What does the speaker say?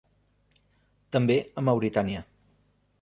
També a Mauritània.